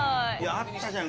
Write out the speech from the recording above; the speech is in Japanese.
あったじゃん